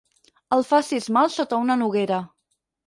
El facis mal sota una noguera.